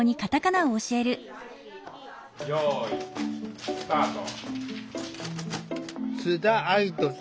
よいスタート。